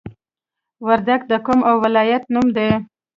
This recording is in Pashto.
وردګ د قوم او ولایت نوم دی